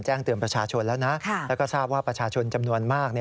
แจ้งเตือนประชาชนแล้วนะแล้วก็ทราบว่าประชาชนจำนวนมาก